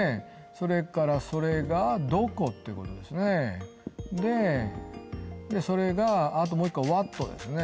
それからそれが「どこ」っていうことですねでそれがあともう一個は「ｗｈａｔ」ですね